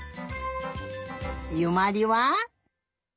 ゆまりは？